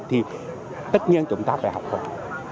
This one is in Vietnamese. thì tất nhiên chúng ta phải học hỏi